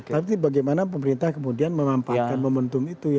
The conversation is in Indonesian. tapi bagaimana pemerintah kemudian memanfaatkan momentum itu ya